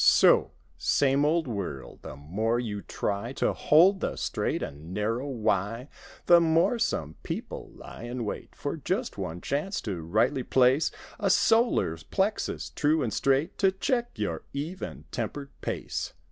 So! Same old world! The more you try To hold the "straight and narrow" why The more some people lie in wait For just one chance to rightly place A solar plexus, true and straight. To check your even tempered pace.